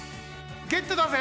ゲットだぜ！